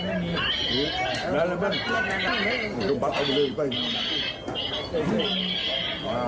นั่นแหละมันมันต้องปัดอาวุธเร็วไป